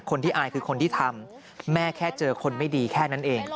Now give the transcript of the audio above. คนที่อายคือคนที่ทำแม่แค่เจอคนไม่ดีแค่นั้นเอง